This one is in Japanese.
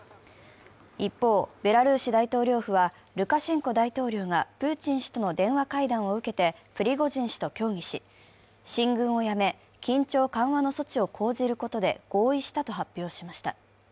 一方、ベラルーシ大統領府は、ルカシェンコ大統領がプーチン氏との電話会談を受けてプリゴジン氏と協議し、進軍をやめ、緊張緩和の措置を講じることで合意したと発表しました。